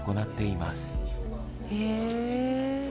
へえ。